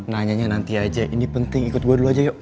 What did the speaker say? nanyanya nanti aja ini penting ikut gue dulu aja yuk